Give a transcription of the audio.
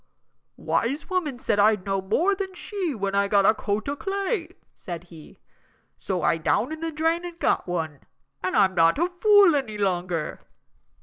"Wise woman said I'd know more than she when I got a coat o' clay," said he, "so I down in the drain and got one, and I'm not a fool any longer."